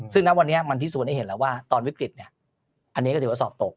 ซึ่งณวันนี้มันพิสูจน์ให้เห็นแล้วว่าตอนวิกฤตอันนี้ก็ถือว่าสอบตก